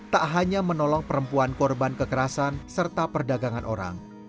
tak hanya menolong perempuan korban kekerasan serta perdagangan orang